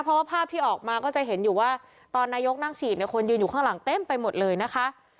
เพราะว่าภาพที่ออกมาก็จะเห็นอยู่ว่าตอนนายกนั่งฉีดเนี่ยคนยืนอยู่ข้างหลังเต็มไปหมดเลยนะคะ